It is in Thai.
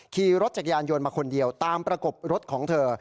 ขี่รถจักรยานยนต์มาคนเดียวตามประกบรถของเธอ